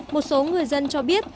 một số người dân cho biết